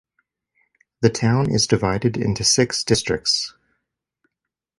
The town is divided into six districts.